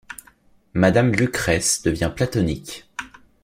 Madame Lucrèce devient platonique.